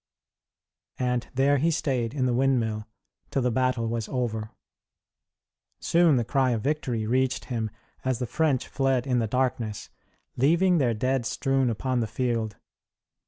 And there he stayed in the windmill till the battle was over. Soon the cry of victory reached him as the French fled in the darkness, leaving their dead strewn upon the field.